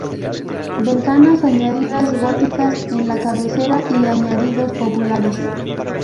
Ventanas añadidas góticas en la cabecera y añadidos populares.